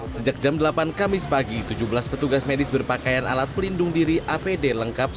sejak jam delapan kamis pagi tujuh belas petugas medis berpakaian alat pelindung diri apd lengkap